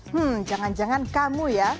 hmm jangan jangan kamu ya